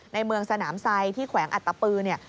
ในเมืองสนามไซด์ที่แขวงอัตตปือเนี่ย